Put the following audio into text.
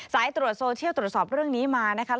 สายตรวจโซเชียลตรวจสอบเรื่องนี้มานะคะ